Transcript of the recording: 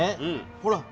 ほら。